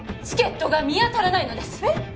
チケットが見当たらないのですえっ？